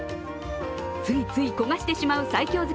ついつい焦がしてしまう西京